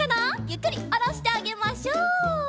ゆっくりおろしてあげましょう。